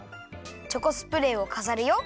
チョコスプレーをかざるよ。